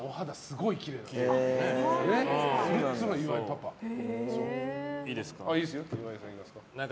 いいですか？